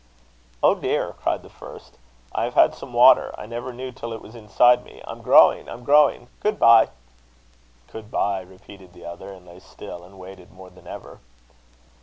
"'Oh, dear!' cried the first, 'I have had some water. I never knew till it was inside me. I'm growing! I'm growing! Good bye!' "'Good bye!' repeated the other, and lay still; and waited more than ever.